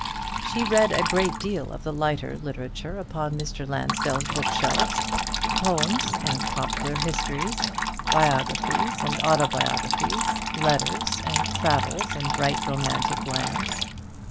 She read a great deal of the lighter literature upon Mr. Lansdell's book shelves, poems and popular histories, biographies and autobiographies, letters, and travels in bright romantic lands.